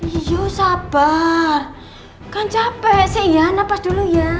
hiu sabar kan capek sih ya napas dulu ya